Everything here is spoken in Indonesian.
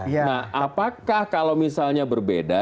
nah apakah kalau misalnya berbeda